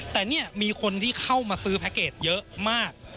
แต่เนี่ยมีคนที่เข้ามาซื้อแพ็คเกจเยอะมาก